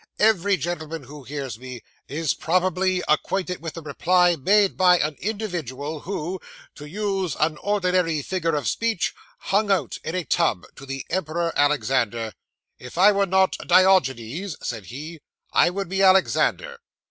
Every gentleman who hears me, is probably acquainted with the reply made by an individual, who to use an ordinary figure of speech "hung out" in a tub, to the emperor Alexander: "if I were not Diogenes," said he, "I would be Alexander."